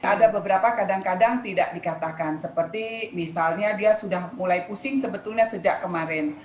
ada beberapa kadang kadang tidak dikatakan seperti misalnya dia sudah mulai pusing sebetulnya sejak kemarin